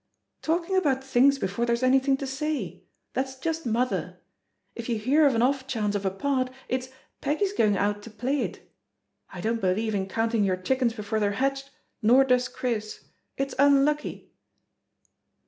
"Talking about things before there's anything to sayl That's just mother. If you hear of an off chance of a part, it's ^Peggy's going out to play it!' I don't believe in counting your chickens before they're hatched, nor does Chris; it's unlucky."